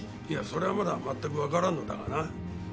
いやそれはまだまったくわからんのだがな。